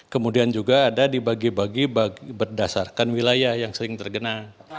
kemudian juga ada dibagi bagi berdasarkan wilayah yang sering terkena